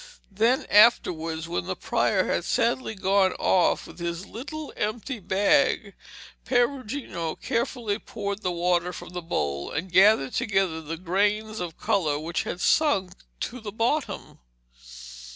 Then afterwards, when the prior had sadly gone off with his little empty bag, Perugino carefully poured the water from the bowl and gathered together the grains of colour which had sunk to the bottom.